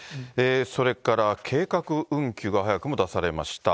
それから計画運休が早くも出されました。